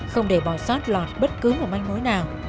không để bỏ sót lọt bất cứ một manh mối nào